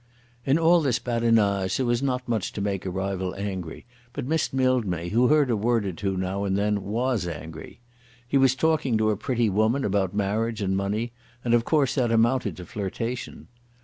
In all this badinage there was not much to make a rival angry; but Miss Mildmay, who heard a word or two now and then, was angry. He was talking to a pretty woman about marriage and money, and of course that amounted to flirtation.